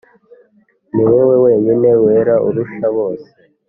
Niwowe wenyine wera urusha bose